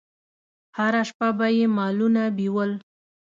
هره شپه به یې مالونه بېول.